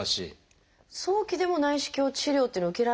早期でも内視鏡治療というのを受けられない場合もあるんですか？